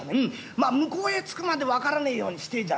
ま向こうへ着くまで分からねえようにしてえじゃねえか。